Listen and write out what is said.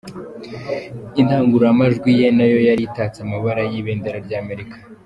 Indangururamajwi ye nayo yari itatse amabara y’ibindera rya Amerika.